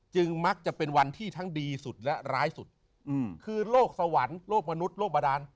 มักจะเป็นวันที่ทั้งดีสุดและร้ายสุดคือโลกสวรรค์โลกมนุษยโลกบาดาน